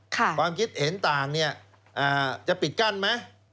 ความคิดเห็นต่างจะปิดกั้นไหม